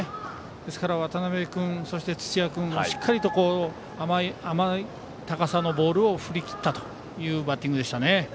ですから渡辺君、そして土屋君しっかりと甘い高さのボールを振り切ったというバッティングでしたね。